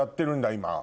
今。